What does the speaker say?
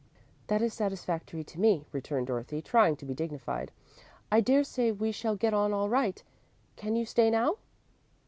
"That is satisfactory to me," returned Dorothy, trying to be dignified. "I daresay we shall get on all right. Can you stay now?"